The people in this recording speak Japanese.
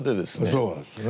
そうですね。